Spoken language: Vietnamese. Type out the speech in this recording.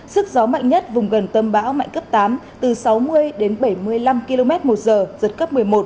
sức gió mạnh nhất vùng gần tâm bão mạnh cấp tám từ sáu mươi đến bảy mươi năm km một giờ giật cấp một mươi một